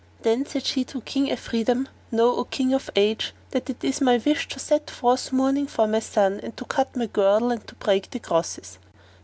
Then said she to King Afridun, "Know, O King of the Age, that it is my wish to set forth mourning for my son and to cut my Girdle and to break the Crosses."